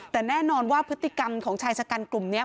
แต่แน่นอนว่าพฤติกรรมของชายชะกันกลุ่มนี้